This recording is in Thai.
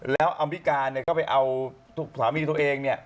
แล้วอัมพิการก็ไปเอาสามีตัวเอง